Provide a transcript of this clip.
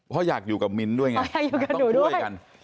เพราะอยากอยู่กับมิ้นด้วยไงอยากอยู่กับหนูด้วย